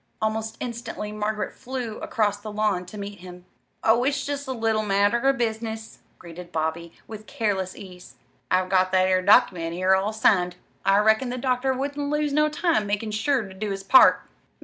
Almost instantly Margaret flew across the lawn to meet him. "Oh, it's jest a little matter of business," greeted Bobby, with careless ease. "I've got that 'ere document here all signed. I reckoned the doctor wouldn't lose no time makin' sure ter do his part."